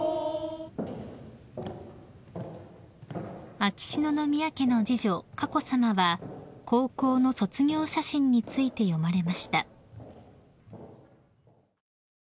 ［秋篠宮家の次女佳子さまは高校の卒業写真について詠まれました］